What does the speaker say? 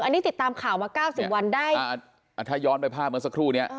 อันนี้ติดตามข่าวมาเก้าสิบวันได้ถ้าย้อนไปภาพเมื่อสักครู่นี้